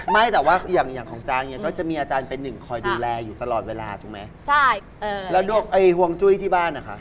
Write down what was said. ไม่อยากใช้คำว่าจีบ